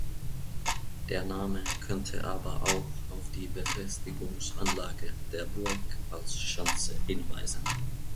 Der Name könnte aber auch auf die Befestigungsanlage der Burg als Schanze hinweisen.